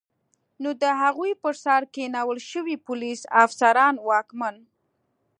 نو د هغوی پر سر کینول شوي پولیس، افسران، واکمن